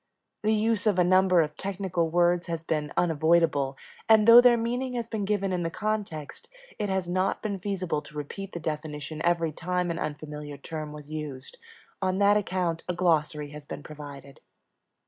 The use of a number of technical words has been unavoidable, and, though their meaning has been given in the context, it has not been feasible to repeat the definition every time an unfamiliar term was used. On that account a glossary has been provided.